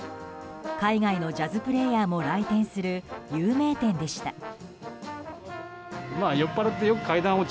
海外のジャズプレーヤーも来店する、有名店でした。